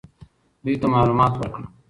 دوی ته معلومات ورکړه.